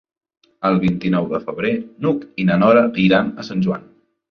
El vint-i-nou de febrer n'Hug i na Nora iran a Sant Joan.